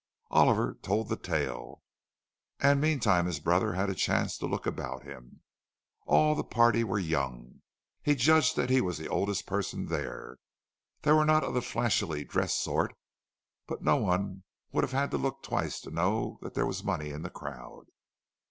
Oliver told the tale, and meantime his brother had a chance to look about him. All of the party were young—he judged that he was the oldest person there. They were not of the flashily dressed sort, but no one would have had to look twice to know that there was money in the crowd.